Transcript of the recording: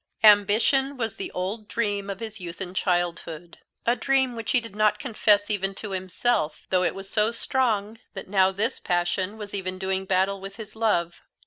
Ambition was the old dream of his youth and childhood, a dream which he did not confess even to himself, though it was so strong that now this passion was even doing battle with his love.